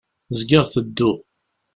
Zgiɣ tedduɣ.